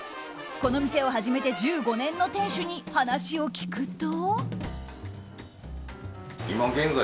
この店を始めて１５年の店主に話を聞くと。